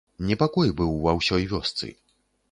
Непакой быў ва ўсёй вёсцы.